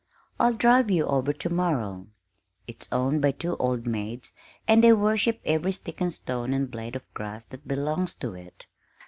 I'll drive you over to morrow. It's owned by two old maids, and they worship every stick and stone and blade of grass that belongs to it.